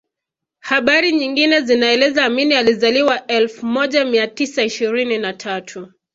Habari nyingine zinaeleza Amin alizaliwa elfu moja mia tisa ishirini na tatu